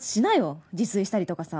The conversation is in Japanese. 自炊したりとかさ。